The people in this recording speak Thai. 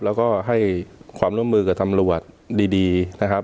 แล้วก็ให้ความร่วมมือกับตำรวจดีนะครับ